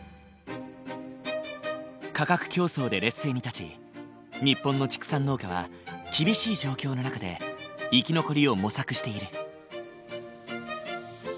価格競争で劣勢に立ち日本の畜産農家は厳しい状況の中で生き残りを模索している。